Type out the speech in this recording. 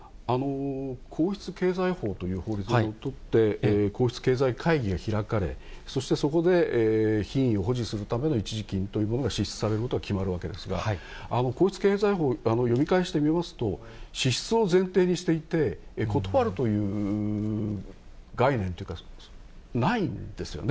皇室経済法という法律にのっとって、皇室経済会議が開かれ、そしてそこで品位を保持するための一時金というものが支出されることが決まるわけですが、皇室経済法を読み返してみますと、支出を前提にしていて、断るという概念というか、ないんですよね。